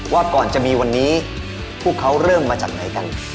ว่าก่อนจะมีวันนี้พวกเขาเริ่มมาจากไหนกัน